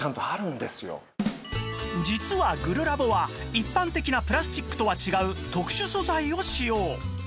実はグルラボは一般的なプラスチックとは違う特殊素材を使用